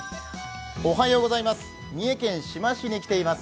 三重県志摩市に来ています。